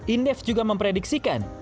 indef juga memprediksikan